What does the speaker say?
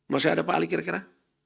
masih ada pak ali kira kira